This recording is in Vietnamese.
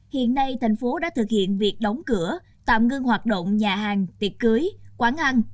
hiện nay thành phố đã thực hiện việc đóng cửa tạm ngưng hoạt động nhà hàng tiệc cưới quán ăn